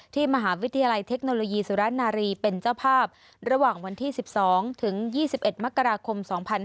มหาวิทยาลัยเทคโนโลยีสุรนารีเป็นเจ้าภาพระหว่างวันที่๑๒ถึง๒๒๑มกราคม๒๕๕๙